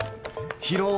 広尾